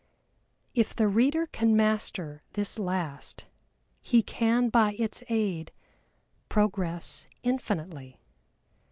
If the reader can master this last, he can by its aid progress infinitely.